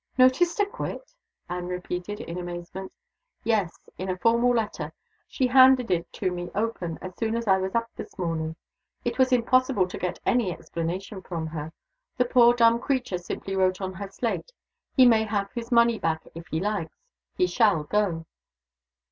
"Notice to quit?" Anne repeated, in amazement. "Yes. In a formal letter. She handed it to me open, as soon as I was up this morning. It was impossible to get any explanation from her. The poor dumb creature simply wrote on her slate: 'He may have his money back, if he likes: he shall go!